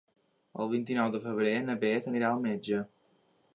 El vint-i-nou de febrer na Beth anirà al metge.